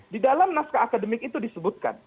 di dalam naskah akademik itu disebutkan